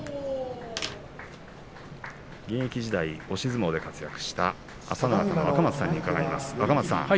現役時代、押し相撲で活躍した朝乃若の若松さんに伺います。